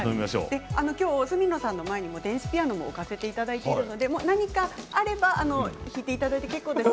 今日、角野さんの前にも電子ピアノを置かせていただいているので何かあれば弾いていただいて結構です。